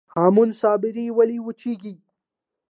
هامون صابري ولې وچیږي؟